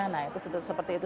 nah itu seperti itu